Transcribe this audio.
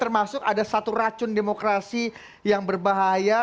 termasuk ada satu racun demokrasi yang berbahaya